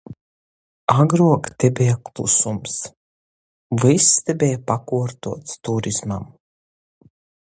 Agruok te beja klusums. Vyss te beja pakuortuots turismam!